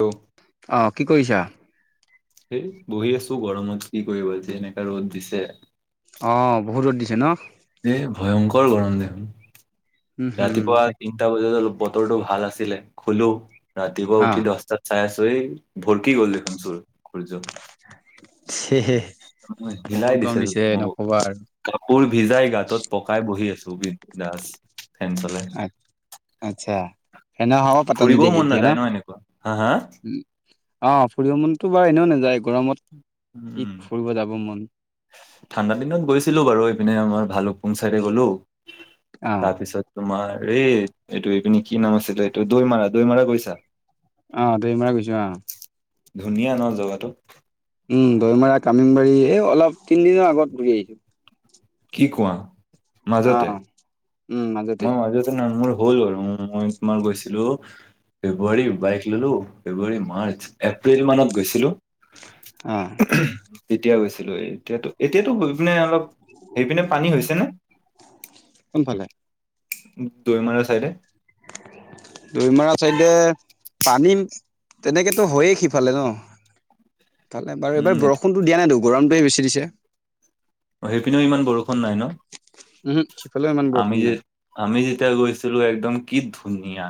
Hello. অ', কি কৰিছা? এই বহি আছো গৰমত কি কৰিব যেনেকা ৰ'দ দিছে। অ', বহুত ৰ'দ দিছে ন। এই ভয়ংকৰ গৰম দেখোন। উম হম ৰাতিপুৱা তাক আটা বজাত অলপ বতৰটো ভাল আছিলে শোলো। ৰাতিপুৱা অ উঠি দহটাত চাই আছোঁ এই ভৰকি গ'ল দেখোন চোৰ সূৰ্য। সেয়হে হিলাই বহুত গম দিছে মোক নকবা আৰু। কাপোৰ ভিজায় গাত হতত পকাই বহি আছো বিনদাস ফেন চলোই। আচ্ছা এনে হ'ব পাতা ফুৰিবও নিদিয়ে মন এতিয়া নাখায় ন এনেকুৱা হা হা। অ', ফুৰিব মনতো বাৰু এনেওঁ নাযায় গৰমত। কি উম। ফুৰিব যাব মন ঠাণ্ডা দিনত গৈছিলোঁ বাৰু এইপিনে আমাৰ ভালুকপুং চাইডে গ'লো। অ তাৰপিছত তোমাৰ এইটো এইটো কি নাম আছিলে এইটো দৈমাৰা দৈমাৰা গৈছাঁ। অ', দৈমৰা গৈছো অ'। ধুনীয়া ন জগাটো। উম দৈমাৰ কামিমবাৰী এই অলপ তিনিদিনৰ আগত ঘৰি আহিছো। কি কোৱা অ মাজতে মই মাজতে নমোৰ হ'ল আৰু মই তোমাৰ গৈছিলো। ফেব্ৰুৱাৰী বাইক ললো ফেব্ৰুৱাৰী মাৰ্চ এপ্ৰিল মানত গৈছিলো। অ', তেতিয়া গৈছিলো। এতিয়াতো এতিয়াতো গৈ পিনে অলপ হেৰি পিনে পানী হৈছে নে কোনফালে দৈমাৰৰ চাইডে [inaudible] দৈ মৰা চাইদে পানী তেনেকেতো হয়য়ে সিফালে ন তালে বাৰু উম এইবাৰ বৰষুণতটো দিয়া নাইতো গৰমটোৱে বেছি দিছে। সেইপিনেও ইমান বৰষুণ নাই ন উহু সিফালেও ইমান বৰষুণ আমি নাই যে আমি যেতিয়া গৈছিলো। একদম কি ধুনীয়া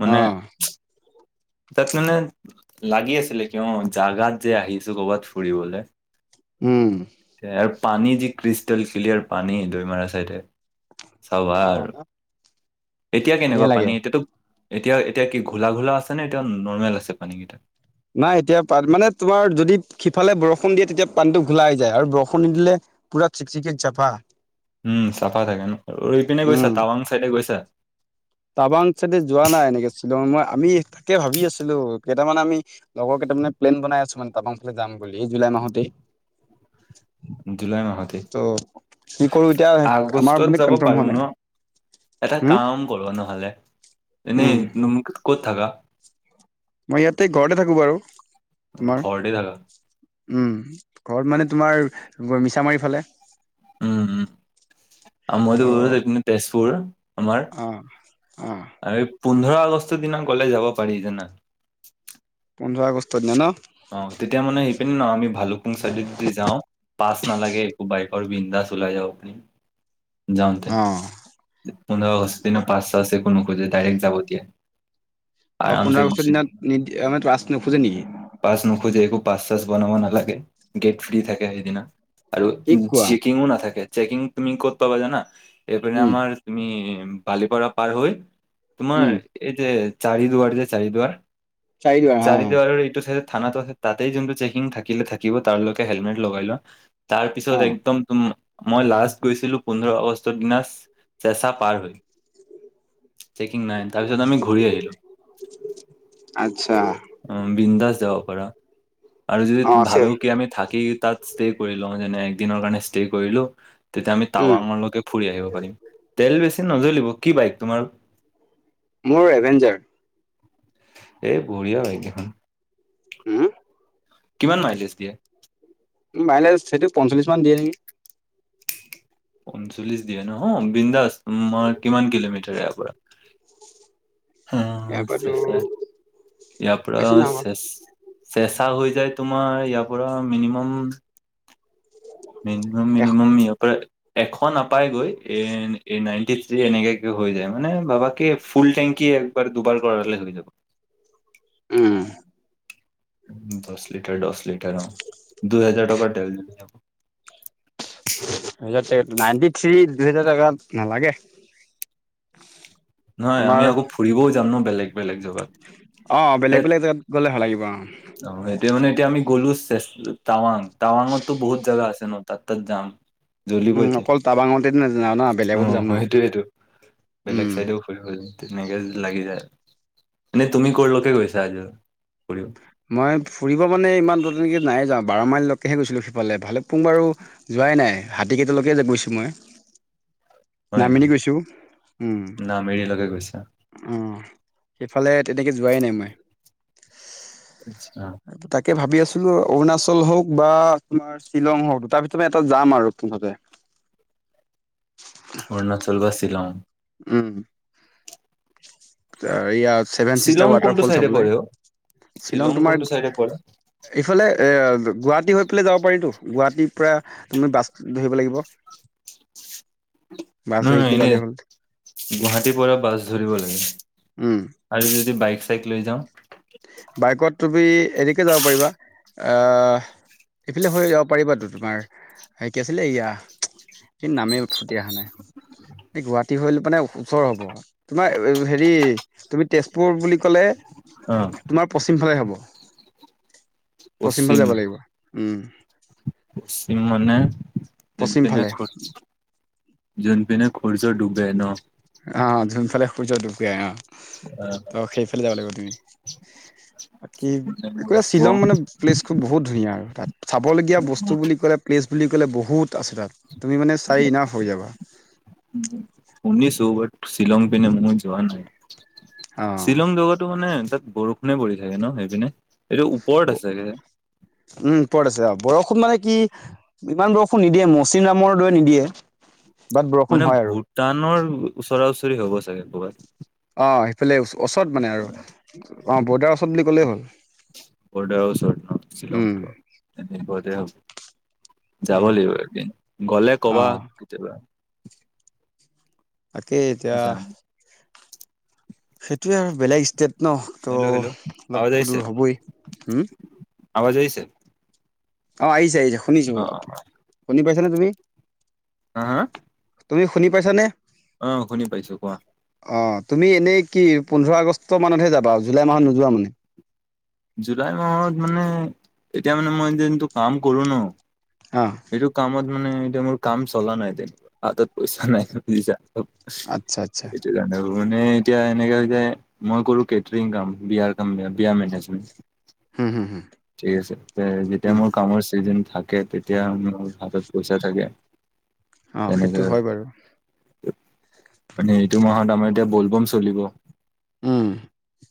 মানে অ', তাক মানে লাগি আছিলে, কিয় জাগাত যে আহিছো কৰবাত ফুৰিবলৈ উম। আৰু পানী যি ক্ৰিষ্টেল ক্লিয়াৰ পানী দৈমাৰা চাইডে চাবা অ', আৰু। এতিয়া কেনেকুৱা ধুনীয়া পানী লাগে। এতিয়াতো এতিয়া এতিয়া কি ঘোলা ঘোলা আছেনে এতিয়া নৰ্মেল আছে পানীকেইটা। নাই এতিয়া পা মানে তোমাৰ যদি সিফালে বৰষুণ দিয়ে তেতিয়া পানীতটো ঘোলা হৈ যায় আৰু বৰষুণ নিদিলে পুৰা চিকচিকিয়া চাফা। উম চাফা থাকে। ন ৰিপিনে গৈছা টাৱাং চাইডে গৈছা। টাবাং চেডে যোৱা নাই। এনেকেছিলো মই আমি তাকে ভাবি আছিলো। কেইটামান আমি লগৰ কেইটাৰ মানে প্লেন বনাই আছো টাবাং ফালে যাম বুলি জুলাই মাহতে জুলাই মাহতে ত' কি কৰো এতিয়া আমাৰ আগষ্টত মানে যাব কনফাৰ্ম পাৰো হোৱা ন নাই। এটা হম, কাম কৰ নহলে উম, এনেই ক'ত থাকা। মই ইয়াতে ঘৰতে থাকো বাৰু তোমাৰ ঘৰতে থাকা উম ঘৰত মানে তোমাৰ মিছামাৰি ফালে উম আৰু ত' মই গ কি তেজপুৰ আমাৰ অ', অ', আৰু পোন্ধৰ আগষ্টৰ দিনা গলে যাব পাৰি জানা পোন্ধৰ আগষ্টত ন নহ'ব অ', তেতিয়া মানে সেইপিনি ন আমি ভালুকুং চাইডে যদি যাওঁ। পাছ নালাগে। একো বাইকৰ বিন্ধা চ ওলাই যাও আপুনি যাওঁতে অ', পন্ৰস্থ কি ন পচ আছে। ক নকৈ যে ডাইৰেক্ যাবততি অ', পোন্ধৰ আগষ্টৰ দিনত নিদ মানে ৰা নোখোজে নেকি পাছ নোখোজে একো পাছ চাছ বনাব নালাগে গেট ফ্ৰী থাকে। সেইদিনা আৰু কি কোৱা চেকিংও না থাকে চেকিং তুমি কৰত পা জানা এপ উম আমাৰ তুমি বালিপাৰা পাৰ হৈ তোমাৰ উম এই যে চাৰিদুৱাৰ যে চাৰিদুৱাৰ চাৰিদুৱাৰ হা চাৰিদুৱাৰৰ এইটো থানাতো আছে তাতেই যোনটো চেকিং থাকিলে। থাকিব তাৰলকে হেলমেট লগাই লোৱা তাৰ পিছত অ একদম তুম মই লাষ্ট গৈছিলো পোন্ধৰ আগষ্টৰ দিনা চেঁচা পাৰ হৈ চেকিং নাই। তাৰপিছত আমি ঘূৰি আহিলো আচ্ছা বিন্দাস দেও আৰু যদি অ আছে ভাবেও কি আমি থাকি তাত- ষ্টে কৰি লো যেনে এক দিনৰ কাৰণে ষ্টে কৰিলোঁ। তেতিয়া আমি উম টাৱাঙলৈকে ফুৰি আহিব পাৰিম। তেল বেছি নজ্বলিব। কি বাইক তোমাৰ? মোৰ এভেঞ্জাৰ। এই বঢ়িয়া বাইকখন। উম। কিমান মাইলেজ দিয়ে? মাইলেজ সেইটো পঞ্চলিছ মান দিয়ে নেকি। পঞ্চলিছ দিয়ে নহ বিন্দাছ। মই কিমান কিলোমিটাৰ ইয়াৰ পৰা? ইয়াৰ অঁ পৰাতো চেঁচা, ইয়াৰ পৰা বেছি নহ'ব চেঁ- চেঁচা হৈ যায় তোমাৰ ইয়াৰ পৰা মিনিমাম- এশ মিনিমাম-মিনিমাম ইয়াৰ পৰা- এশ নাপাই গৈ, এ এ নাইনটি থ্ৰী এনেকাকে হৈ যায় মানে ভাৱক- ফুল টেংকি একবাৰ, দুবাৰ কৰালে হৈ যাব। উম। দশ লিটাৰ, দশ লিটাৰ অঁ, দুই হাজাৰ টকা তেল যাব। নাইনটি থ্ৰী দুহেজাৰ টকাত নালাগে। নহয় আমি আকৌ ফুৰিবও যাম ন বেলেগ। বেলেগ জেগাত অঁ, বেলেগ বেলেগ জেগাত গ'লে ভাল লাগিব অঁ। অঁ, সেইটোৱে মানে এতিয়া আমি গ'লো টাৱাং, টাৱাংঙতো বহুত জেগা আছে ন তাত-তাত যাম। উম জ্বলিবই তেল অকল টাৱাংঙতে নাজানা ন, অ বেলেগত যাম ন, সেইটোয়েইটো বেলেগ উম। চাইডেও তেনেকে লাগি যায়। এনে তুমি ক'লৈকে গৈছা আজোৰ ফুৰিব? মই ফুৰিব মানে ইমান দূৰত তেনেকৈ নাই যোৱা, বাৰ মাইললৈকেহে গৈছিলোঁ সিফালে। ভালুক পুং বাৰু- যোৱাই নাই, হাতীকেইটালকে গৈছো মই। হয় নামেলি নেকি গৈছো, উম। নামেৰিলৈকে গৈছা অঁ, সেইফালে তেনেকৈ যোৱাই নাই মই। আচ্ছা। তাকে ভাবি আছিলো অৰুণাচল হওঁক বা তোমাৰ- শ্বিলং হওঁক দুটাৰ ভিতৰত এটা যাম আৰু মুঠতে। অৰুণাচল বা ছিলং। উম। ইয়াৰ ছেভেন চিষ্টাৰ শ্বিলং কোনটো ৱাটাৰফল চাইডে চাবলৈ। পৰে অ? শ্বিলং কোনটো তোমাৰ- চাইডে পৰে? এইফালে এ গুৱাহাটী হৈ পেলাই যাব পাৰিতো। গুৱাহাটীৰ পৰা- তুমি বাছ ধৰিব লাগিব। বাছ ধৰি নহ পেলাই এনে যালেই হ'ল গুৱাহাটীৰ পৰা বাছ ধৰিব লাগে। উম আৰু যদি বাইক-চাইক লৈ যাওঁ- বাইকত তুমি এনেকৈ যাব পাৰিবা আ- এইফালে হৈ যাব পাৰিবটো তোমাৰ কি আছিলে এয়া- কি নামেই ফুটি অহা নাই, এই গুৱাহাটী হৈল মানে ওচৰ হব। তোমাৰ হেৰি, তুমি তেজপুৰ বুলি ক'লে- অ তোমাৰ পশ্চিম ফালে হব, পশ্চিম ফালে যাব লাগিব, উম। পশ্চিম মানে পশ্চিম যোনপিনে- ফালে যোন পিনে সূৰ্য্য ডুবে ন। অঁ, যোন ফালে সূৰ্য্য ডুবে আহ। ত, সেইফালে যাব লাগিব তুমি। বাকী মানে একো মোৰ শ্বিলং মানে- প্লেচটো বহুত ধুনীয়া আৰু তাত চাবলগীয়া বস্তু বুলি ক'লে প্লেচ বুলি ক'লে বহুত আছে তাত। তুমি মানে চাই এনাফ হৈ যাবা। উম, শুনিছো বাট শ্বিলং পিনে মই যোৱা নাই। অ'। শ্বিলং জগাটো মানে তাত বৰষুণে পৰি থাকে ন, সেইপিনে এইটো ওপৰত আছেগে। উম ওপৰত আছে অ', বৰষুণ মানে কি ইমান বৰষুণ নিদিয়ে মৌচিম নামৰ দৰে নিদিয়ে। বাট বৰষুণ মানে হয় আৰু ভূটানৰ ওচৰা-ওচৰি হ'ব চাগে ক'ৰবাত। অ', সেইফালে ওচৰত মানে আৰু অ', বৰ্ডাৰ ওচৰত বুলি ক'লেই হ'ল। বৰ্ডাৰ ওচৰত নাই শ্বিলং উম [unintelligible] যাব ত' লাগিব এদিন গ'লে কবা আহ কেতিয়াবা। তাকে এতিয়া যাম সেইটোৱে আৰু বেলেগ ষ্টেট ন তো হেল্ল' হেল্ল' আৱাজ অলপতো দূৰ হ'বই হুম। আৱজ আহিছে। অ', আহিছে, আহিছে শুনিছোঁ অ অ শুনি পাইছানে তুমি? হা, হা তুমি শুনি পাইছানে? অ', শুনি পাইছোঁ কোৱা। অ', তুমি এনেই কি পোন্ধৰ আগষ্ট মানতহে যাবা জুলাই মাহত নোযোৱা মানে। জুলাই মাহত মানে এতিয়া মানে মই যোনটো কাম কৰো ন অ'। এইটো কামত মানে এয়া মোৰ কাম চলা নাই হাতত পইচা নাই বুজিছা। আচ্ছা, আচ্ছা। সেইটো মানে এতিয়া এনেকে যে মই কৰো কেটাৰিং কাম বিয়াৰ কাম বিয়া মেনেজমেন্ট হুম, হুম হু ঠিক আছে, তে যেতিয়া মোৰ কামৰ চিজন থাকে তে এতিয়া মো হাতত পইচা থাকে অ সেইটো তেনেকে হয় বাৰু মানে এইটো মাহত আমাৰ এতিয়া ব'লব'ম চলিব উম।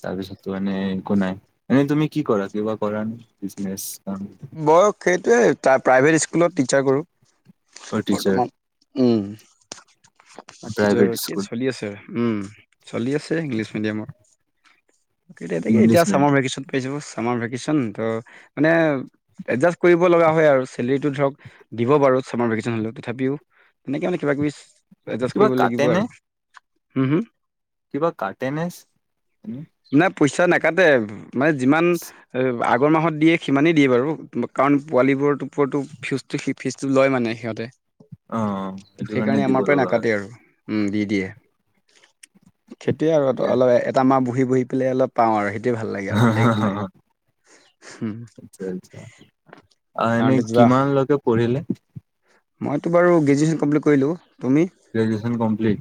তাৰপিছততো এনে একো নাই এনে তুমি কি কৰা কিবা কৰা নে বিজনেচ। কাম বয় সেইটোৱে প্ৰাইভেট স্কুলত টিচাৰ কৰোঁ অ' টিচাৰ বৰ্তমান। উম, বাকীটো প্ৰাইভেট কি স্কুল চলি আছে উম। চলি আছে ইংলিছ মিডিয়ামত। এতিয়া তাকে ইংলিছ এতিয়া চামাৰ মিডিয়াম ভেকেশন পাইাব চামাৰ ভেকেশচন ত' মানে এডজাষ্ট কৰিব লগা হয় আৰু চেলেৰিটো ধৰক দিব পাৰ চামাৰ ভেকেচন হ'লেও তথাপিও তেনেকে মানে কিবা- কিবি এডজাষ্ট কিবা কৰিব কাটে লাগিব নে আৰু হুম, হুম। কিবা কাটেনেছ না পইচা নাকাটে মানে যিমান আগৰ মাহত দিয়ে সিমানেই দিয়ে বাৰু। কাৰণ পোৱালিবোৰৰ ওপৰতো ফিজটো স ফিজটো লয় মানে সিহঁতে অ' সেইটো কাৰণে সেইকাৰণে দিব আমাৰ পৰাই লগা হয়। নাকাটে আৰু। উম দি দিয়ে সেইটো য়ে আৰু অলপ এটা মাহ বহি, বহি পেলাই অলপ পাওঁ আৰু সেইটোৱে ভাল লাগে আৰু বেলেগ একো নাই। আচ্ছা, আচ্ছা কাৰণ এনেই যোৱা কিমান লকে পঢ়িলে? মইতো বাৰু গ্ৰেজুৱেচন কমপ্লিট কৰিলোঁ, তুমি? Graduation complete?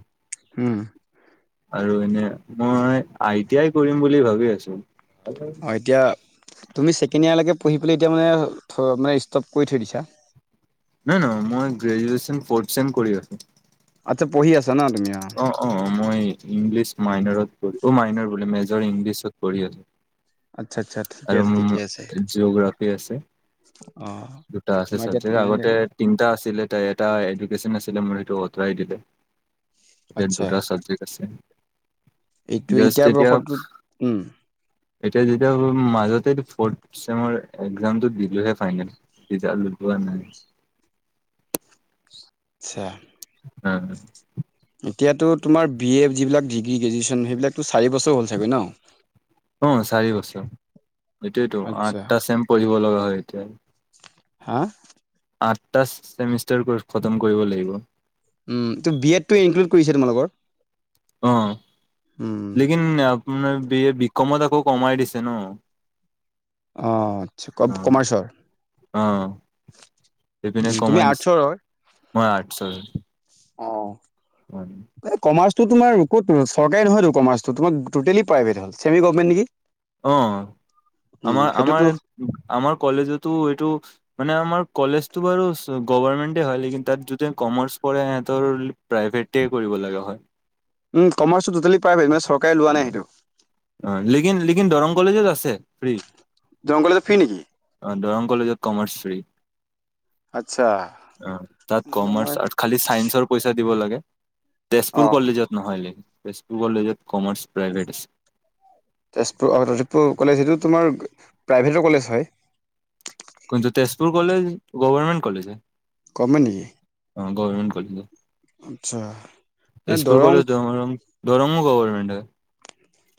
আৰু এনে মই আই টি আই কৰিম বুলি ভাবি আছোঁ। অ', এতিয়া তুমি ছেকেণ্ড ইয়াৰলৈকে পঢ়ি পেলাই এতিয়া মানে মানে ষ্টপ কৰি থৈ দিছা। নাই নহয় মই গ্ৰেজুয়চন ফৰ্থ চেম কৰি আছো। আচ্ছা পঢ়িছ না তুমি অ। অ অ মই ইংলিছ মাইনাৰত পঢ়ো অ মাইনাৰ বোলে মেজৰ ইংলিছত পঢ়ি আছো। আচ্ছা আচ্ছা। ঠিকে আৰু আছে ঠিকে আছে জিঅগ্ৰাফি আছে অ দুটা আছে তোমাৰ এতিয়া চাবজেক্ট তেনেহলে আগতে তিনিটা আছিলে তাৰে এটা এডুকেশ্যন আছিলে মোৰ সেইটো আঁতৰাই দিলে। ইয়াত আচ্ছা দুটা চাবজেক্ট আছে। এইটো এতিয়া বৰ্ষটোত উম। এতিয়া যেতিয়া মাজতে ফৰ্থ ছেমৰ একজামটো দিলোহে ফাইনেল ৰিজালটো পোৱা নাই। আচ্ছা। [inaudible] এতিয়াতো তোমাৰ বি এ যিবিলাক ডিগ্ৰী গ্ৰেজুৱেশ্যন সেইবিলাকতো চাৰ বছৰ হ'ল ছাগৈ ন? অ চাৰি বছৰ এইটোৱেতো আচ্ছা আঠটা চেম পঢ়িব লগা হয় এতিয়া। হা? আঠটা চেমিষ্টাৰ খতম কৰিব লাগিব। উম তো বিয়েডটো ইনক্লুড কৰিছে তোমালোকৰ? অ উম লেকিন আপোনাৰ বি বিকমত আকৌ কমাই দিছে ন। অ আচ্ছা অ ক-কমাৰ্চৰ? অ সেইপিনে তুমি কমাই দিছো। আৰ্টছৰ হয় মই আৰ্টচৰ। অ। হয়। কমাৰ্চো তোমাৰ ক'ত চৰকাৰী নহয়তো কমাৰ্চ প্ৰাইভেট হ'ল। চেমি গভমেট নেকি? অ উম, সেইটোতো আমাৰ-আমাৰ-আমাৰ কলেজতো এইটো মানে আমাৰ কলেজটো বাৰু গভৰ্মেন্টেই হয় লেকিন তাত যদি কমাৰ্চ পঢ়ে সিহঁতৰ প্ৰাইভেটেই কৰিব লাগে হয়। উম কমাৰ্চটো টোটেল প্ৰাইভেট মান চৰকাৰে লোৱা নাই সেইটো। অ লেকিন লেকিন দৰং কলেজত আছে ফ্ৰী। দৰং কলেজত ফ্ৰি নেকি? অ দৰং কলেজত কমাৰ্চ ফ্ৰী। আচ্ছা অ তাত তেনেহ'লে মই কমাৰ্চ আৰ্টচ খালি চাইন্সৰ পইচা দিব লাগে। তেজপুৰ অ', কলেজত নহয় নেকি তেজপুৰ কলেজত কমাৰ্চ প্ৰাইভেট আছে। তেজপুৰ তেজিতপুৰ কলেজ সেইটো তোমাৰ প্ৰাইভেটৰ কলেজ হয়? কোনটো? তেজপুৰ কলেজ গভৰ্মেণ্ট কলেজে হয়। গভৰ্মেন্ত নেকি? অ গভমেণ্ট কলেজ হয়। আচ্ছা এ তেজপুৰ দৰং কলেজ দৰংও গভৰ্মেণ্ট হয়।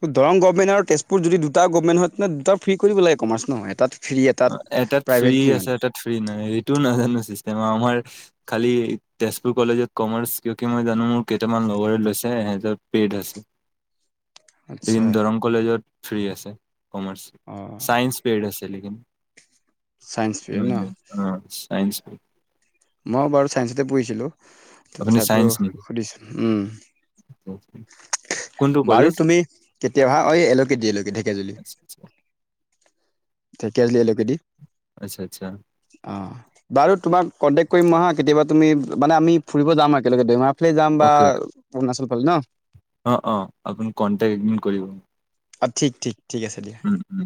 ত' দৰং গভমেন্ত আৰু তেজপুৰ যদি দুটা গভমণ্ট হয় তেনে দুটা ফ্ৰী কৰিব লাগে কমাৰ্চ নহয় এটাত ফ্ৰী এটাত ফ্ৰী প্ৰাইভেট কি আছে মানে? এটাত ফ্ৰী নহ এইটোও নাজানো চিষ্টেম আমাৰ খালি তেজপুৰ কলেজত কমাৰ্চ কিয়কি মই জানো মোৰ কেইটামান লগৰ লৈছে সেহতৰ পেইড আছে। [unintelligible] আচ্ছা লেকিন দৰং কলেজত ফ্ৰী আছে কমাৰ্চ, অ'। চাইন্স পেইড আছে লেলিন। চাইন্স ফ্ৰী ন অ চাইন্স মই বাৰু চাইন্সতে পঢ়িছিলো আপুনি তথাপিও চাইন্স নেকি সুধিছো উম। কোনটো বাৰু কলেজ তুমি কেতিয়াবা অঐ এলকে দি এলকে ঢেকিয়াজুলি। [unintelligible] ঢেকীয়াজুলি এলকে দি। আচ্ছা আচ্ছা। অঁ বাৰু তোমাক কণ্টেক্ট কৰিম নহা কেতিয়াবা তুমি মানে আমি ফুৰিব যাম আৰু একেলগে দেমাৰ। সেইফালে যাম বা অ'কে অ'কে অৰুণাচল ফালে ন? অ অ আপুনি কণ্টেক্ট এক দিন কৰিব। অঁ ঠিক ঠিক ঠিক আছে দিয়া। উম উম।